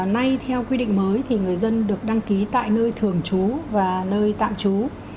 nay theo quy định mới thì người dân được đăng ký tại nơi thường trú và nơi tạm trú